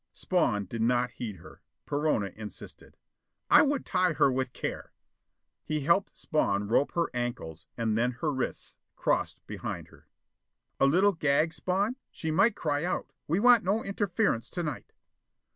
Spawn did not heed her. Perona insisted, "I would tie her with care." He helped Spawn rope her ankles, and then her wrists, crossed behind her. "A little gag, Spawn? She might cry out: we want no interference to night."